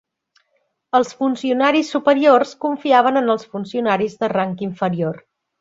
Els funcionaris superiors confiaven en els funcionaris de rang inferior.